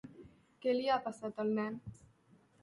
Què li ha passat al nen?